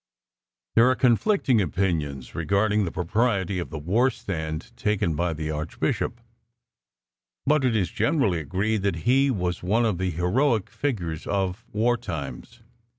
There are conflicting opinions regarding the propriety of the "war stand" taken by the Archbishop, but it is generally agreed that he was one of the heroic figures of war times.